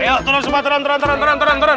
ayo turun semua turun turun turun turun